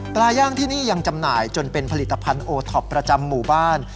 ย่างที่นี่ยังจำหน่ายจนเป็นผลิตภัณฑ์โอท็อปประจำหมู่บ้าน